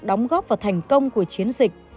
đóng góp vào thành công của chiến dịch